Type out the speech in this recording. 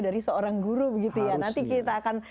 dari seorang guru begitu ya nanti kita akan